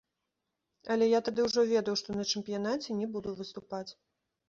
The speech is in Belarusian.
Але я тады ўжо ведаў, што на чэмпіянаце не буду выступаць.